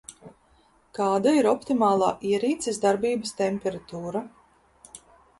Kāda ir optimālā ierīces darbības temperatūra?